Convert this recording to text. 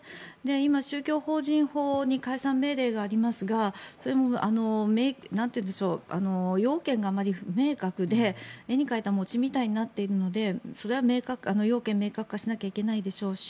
今、宗教法人法に解散命令がありますがそれも要件があまり、不明確で絵に描いた餅みたいになっているのでそれは要件を明確化しないといけないでしょうし